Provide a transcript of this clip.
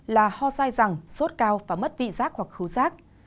là ho sai rằng sốt cao và mất vị rác hoặc khu rác